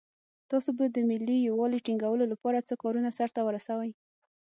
تاسو به د ملي یووالي ټینګولو لپاره څه کارونه سرته ورسوئ.